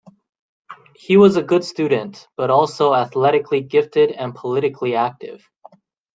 He was a good student, but also athletically gifted and politically active.